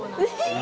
え！